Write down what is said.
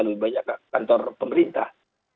lebih banyak kantor pemerintah